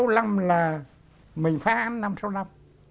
sáu mươi năm là mình phá án năm trăm sáu mươi năm